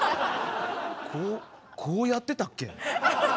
こうこうやってたっけ？